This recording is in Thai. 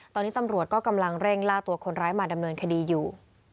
ตอนนี้ตำรวจก็กำลังเร่งล่าตัวคนร้ายมาดำเนินคดีอยู่